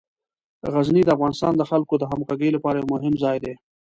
غزني د افغانستان د خلکو د همغږۍ لپاره یو مهم ځای دی.